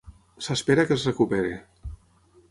S'espera que es recuperi.